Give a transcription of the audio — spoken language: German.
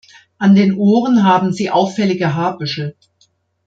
An den Ohren haben sie auffällige Haarbüschel.